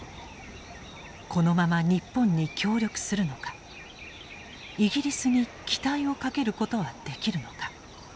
このまま日本に協力するのかイギリスに期待をかけることはできるのか。